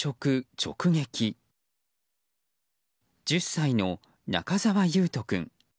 １０歳の中澤維斗君。